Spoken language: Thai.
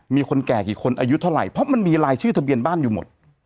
มีคนแก่กี่คนอายุเท่าไหร่เพราะมันมีรายชื่อทะเบียนบ้านอยู่หมด